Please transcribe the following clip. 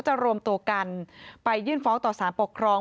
รวมตัวกันไปยื่นฟ้องต่อสารปกครอง